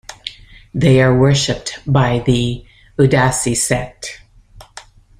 They are worshiped by the Udasi Sect.